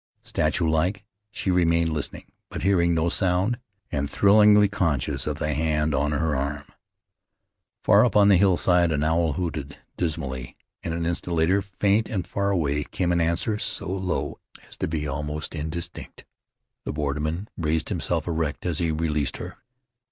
Statue like she remained listening; but hearing no sound, and thrillingly conscious of the hand on her arm. Far up on the hillside an owl hooted dismally, and an instant later, faint and far away, came an answer so low as to be almost indistinct. The borderman raised himself erect as he released her.